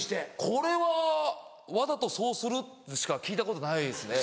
これは「わざとそうする」しか聞いたことないですね。